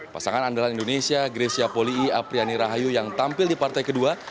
pasangan andalan indonesia grecia polii ⁇ apriani rahayu yang tampil di partai kedua